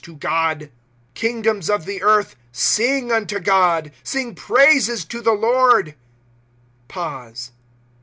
3^ Kingdoms of the earth, sing unto God ; Sing praises to the Lord ; {Pause.)